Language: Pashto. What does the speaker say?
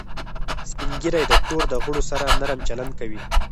سپین ږیری د کور د غړو سره نرم چلند کوي